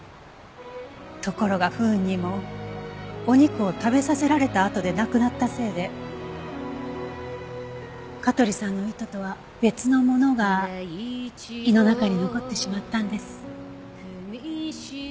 ところが不運にもお肉を食べさせられたあとで亡くなったせいで香取さんの意図とは別のものが胃の中に残ってしまったんです。